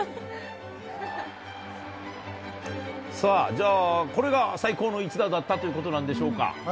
じゃあ、これが最高の一打だったということなんでしょうか。